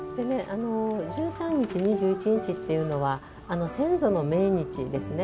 １３日、２１日っていうのは先祖の命日ですね。